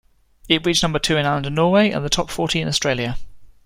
It reached number two in Ireland and Norway, and the top forty in Australia.